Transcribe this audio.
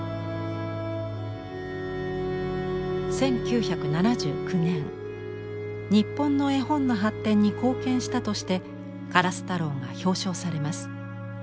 １９７９年日本の絵本の発展に貢献したとして「からすたろう」が表彰されます。